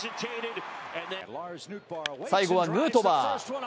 最後はヌートバー。